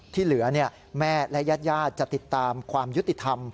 ที่เหลือแม่และญาติจะติดตามความยุติธรรม